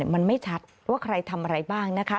มันไม่ชัดว่าใครทำอะไรบ้างนะคะ